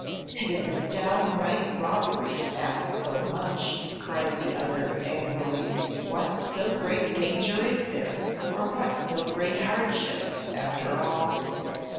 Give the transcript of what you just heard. "It is a downright robbery to ask so much," cried the other, angrily. "What so great danger is there, or what so great hardship, after all?"